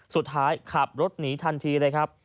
สุดท้ายขับรถหนีทันทีเลยครับ